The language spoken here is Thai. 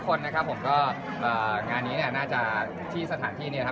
ก็ฝากเชิญชวนทุกคนนะครับงานนี้น่าจะที่สถานที่นี่นะครับ